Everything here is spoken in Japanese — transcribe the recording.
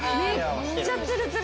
めっちゃツルツル！